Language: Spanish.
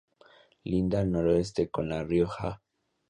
Linda al noroeste con La Rioja.